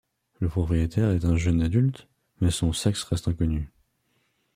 Le propriétaire est un jeune adulte, mais son sexe reste inconnu.